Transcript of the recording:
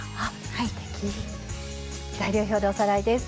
材料表でおさらいです。